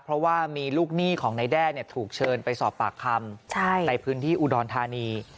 เพราะว่ามีลูกหนี้ของนายแด้ถูกเชิญไปสอบปากคำในพื้นที่อุดรธานี